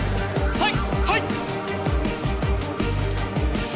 はい！